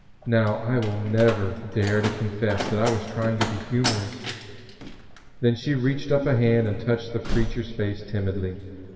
"Now I will never dare to confess that I was trying to be humorous." Then she reached up a hand and touched the Preacher's face timidly.